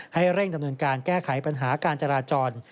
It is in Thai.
เร่งดำเนินการแก้ไขปัญหาการจราจร